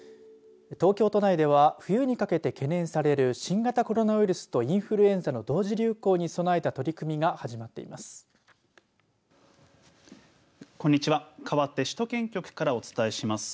東京都内では冬にかけて懸念される新型コロナウイルスとインフルエンザの同時流行に備えた取り組みが始まっています。